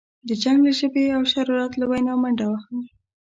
د جنګ له ژبې او شرارت له وینا منډه وهم.